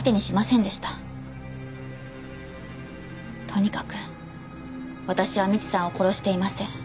とにかく私は美智さんを殺していません。